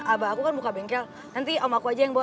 abah aku kan buka bengkel nanti om aku aja yang bawa